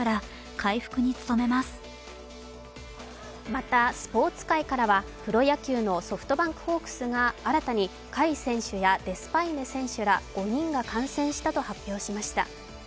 また、スポーツ界からはプロ野球のソフトバンクホークスが新たに甲斐選手やデスパイネ選手ら５人が感染したと発表しました。